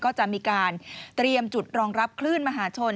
ก็จะมีการเตรียมจุดรองรับคลื่นมหาชน